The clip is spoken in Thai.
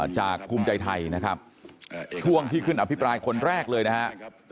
ภูมิใจไทยนะครับช่วงที่ขึ้นอภิปรายคนแรกเลยนะฮะ